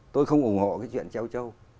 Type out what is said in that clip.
tôi không ủng hộ cái chuyện treo trâu